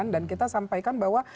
dan kita sampaikan bahwa